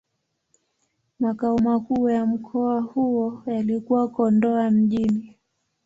Makao makuu ya mkoa huo yalikuwa Kondoa Mjini.